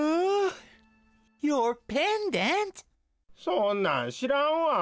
そんなんしらんわ。